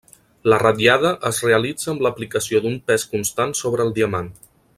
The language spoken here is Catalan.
La ratllada es realitza amb l'aplicació d'un pes constant sobre el diamant.